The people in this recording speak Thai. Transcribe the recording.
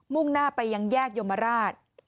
่งหน้าไปยังแยกยมราช